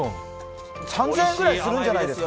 ３０００円ぐらいするんじゃないですか？